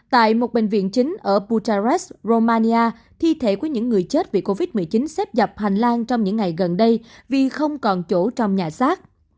tại một bệnh viện chính ở butares romania thi thể của những người chết vì covid một mươi chín xếp dọc hành lang trong những ngày gần đây vì không còn chỗ trong nhà xác